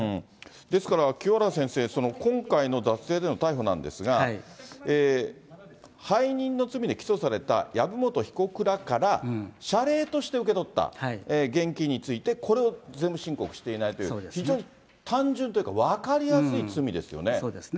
ですから、清原先生、今回の脱税での逮捕なんですが、背任の罪で起訴された籔本被告らから謝礼として受け取った現金について、これを税務申告していないという、非常に単純というか、分かりやすそうですね。